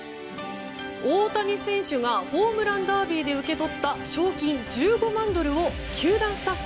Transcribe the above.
大谷選手がホームランダービーで受け取った賞金１５万ドルを球団スタッフ